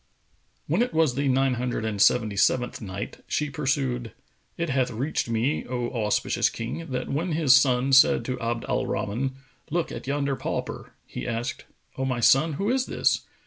When it was the Nine Hundred and Seventy seventh Night, She pursued, It hath reached me, O auspicious King, that when his son said to Abd al Rahman, "Look at yonder pauper!" he asked, "O my son, who is this?"